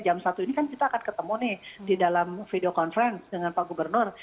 jam satu ini kan kita akan ketemu nih di dalam video conference dengan pak gubernur